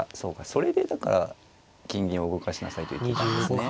それでだから金銀を動かしなさいと言っていたんですね。